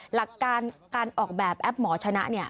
หลักการการออกแบบแอปหมอชนะเนี่ย